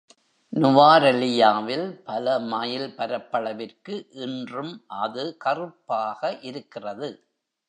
நுவாரலியாவில் பல மைல் பரப்பளவிற்கு இன்றும் அது கறுப்பாக இருக்கிறது.